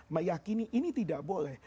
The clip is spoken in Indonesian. meyakini ini tidak boleh